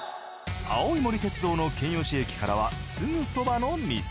青い森鉄道の剣吉駅からはすぐそばの店。